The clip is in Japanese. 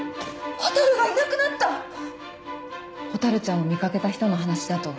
ほたるちゃんを見掛けた人の話だと。